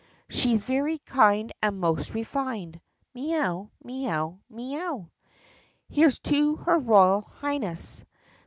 She 's very kind and most refined! Mee ow! mee ow! mee ow! Here 's to her Royal Highness!